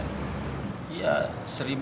yang gelarannya adalah sheikh abdul qadir jailani